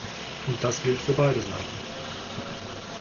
Und das gilt für beide Seiten.